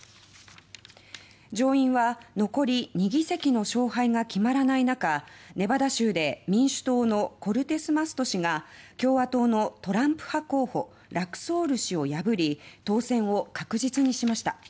上院は残り２議席の勝敗が決まらない中ネバダ州で民主党のコルテスマスト氏が共和党のトランプ派候補ラクソール氏を破り当選を確実にしました。